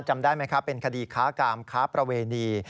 จำได้ไหมครับเป็นคดีค้ากามค้าประเวณี